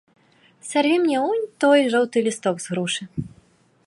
Сарві мне унь той жоўты лісток з грушы.